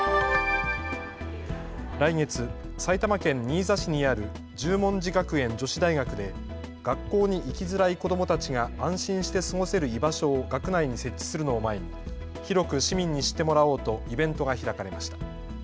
来月、埼玉県新座市にある十文字学園女子大学で学校に行きづらい子どもたちが安心して過ごせる居場所を学内に設置するのを前に広く市民に知ってもらおうとイベントが開かれました。